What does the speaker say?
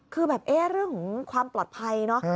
คือแบบเอ๊ะเรื่องของความปลอดภัยเนอะ